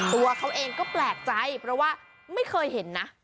ตัวเขาเองก็แปลกใจเพราะว่าไม่เคยเห็นนะ